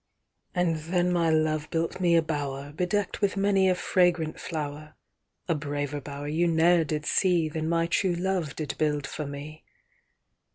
IIIAnd then my love built me a bower, Bedeck'd with many a fragrant flower;A braver bower you ne'er did seeThan my true love did build for me.